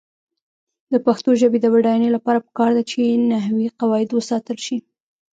د پښتو ژبې د بډاینې لپاره پکار ده چې نحوي قواعد وساتل شي.